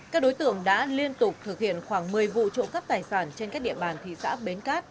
các đối tượng đã liên tục thực hiện khoảng một mươi vụ trộm cắp tài sản trên các địa bàn thị xã bến cát